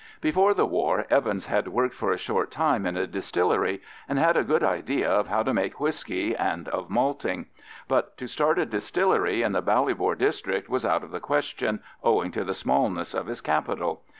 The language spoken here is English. Before the war Evans had worked for a short time in a distillery, and had a good idea of how to make whisky and of malting; but to start a distillery in the Ballybor district was out of the question, owing to the smallness of his capital.